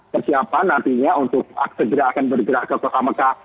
persiapan nantinya untuk segera akan bergerak ke kota mekah